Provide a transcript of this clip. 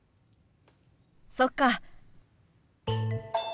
そっか。